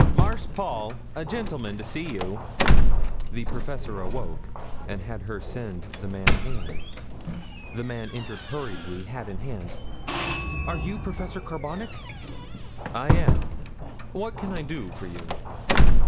"Marse Paul, a gentleman to see you." The professor awoke and had her send the man in. The man entered hurriedly, hat in hand. "Are you Professor Carbonic?" "I am, what can I do for you?"